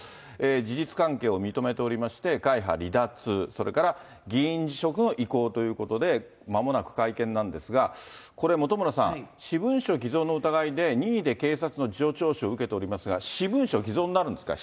事実関係を認めておりまして、会派離脱、それから議員辞職の意向ということで、まもなく会見なんですが、これ本村さん、私文書偽造の疑いで任意で警察の事情聴取を受けておりますが、私文書偽造になるんですか？